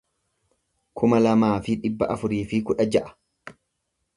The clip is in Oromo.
kuma lamaa fi dhibba afurii fi kudha ja'a